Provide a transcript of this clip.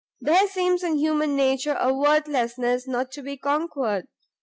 There seems in human nature a worthlessness not to be conquered!